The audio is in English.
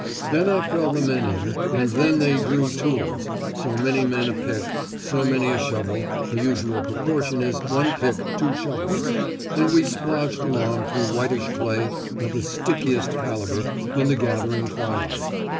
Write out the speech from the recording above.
Then I fell the men in, and they "drew tools," so many men a pick, so many a shovel (the usual proportion is one pick, two shovels), and we splodged along through whitish clay of the stickiest calibre in the gathering twilight.